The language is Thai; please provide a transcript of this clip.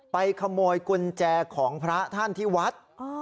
ไปขโมยกุญแจของพระท่านที่วัด